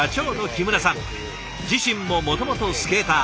自身ももともとスケーター。